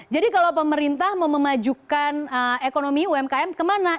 jadi kalau pemerintah memajukan ekonomi umkm kemana